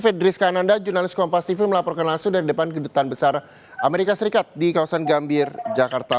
fedris kananda jurnalis kompas tv melaporkan langsung dari depan kedutaan besar amerika serikat di kawasan gambir jakarta